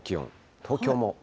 東京も。